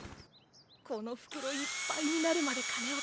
この袋いっぱいになるまで金を貯める。